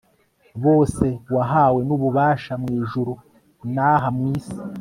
bose, wahawe n'ububasha, mu ijuru n'aha mu isi